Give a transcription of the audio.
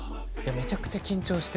めちゃくちゃ緊張して。